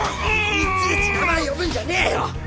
いちいち名前呼ぶんじゃねえよ！